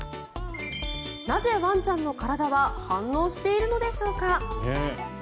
なぜ、ワンちゃんの体は反応しているのでしょうか。